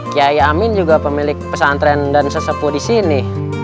kyai amin juga pemilik pesantren dan sesepuh disini